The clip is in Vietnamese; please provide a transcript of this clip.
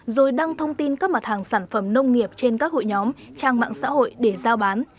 rồi đăng thông tin các mặt hàng sản phẩm nông nghiệp trên các hội nhóm trang mạng xã hội để giao bán